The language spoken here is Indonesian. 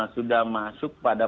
sudah masuk pada